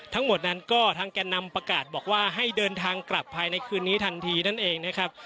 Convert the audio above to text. ทั้งหมดนั้นก็ทางแก่นำประกาศบอกว่าให้เดินทางกลับภายในคืนนี้ทันทีนั่นเองนะครับ